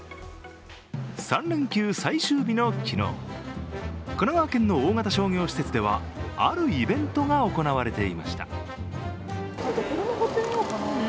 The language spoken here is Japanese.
３連休最終日の昨日、神奈川県の大型商業施設ではあるイベントが行われていました。